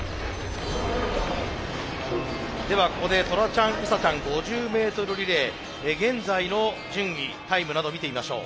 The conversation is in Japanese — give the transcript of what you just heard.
ではここでトラちゃんウサちゃん５０ｍリレー現在の順位タイムなど見てみましょう。